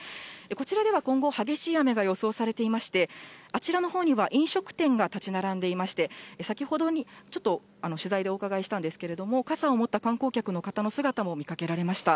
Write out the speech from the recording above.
こちらでは今後、激しい雨が予想されていまして、あちらのほうには飲食店が建ち並んでいまして、先ほど、ちょっと取材でお伺いしたんですけれども、傘を持った観光客の方の姿も見かけられました。